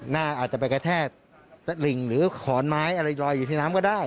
อาจจะไปกระแทกตะหลิ่งหรือขอนไม้อะไรลอยอยู่ที่น้ำก็ได้